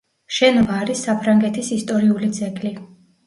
შენობა არის საფრანგეთის ისტორიული ძეგლი.